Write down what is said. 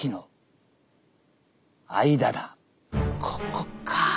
ここか。